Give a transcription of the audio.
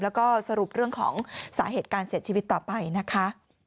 แล้วก็สรุปเรื่องของสาเหตุการเสียชีวิตต่อไปนะคะ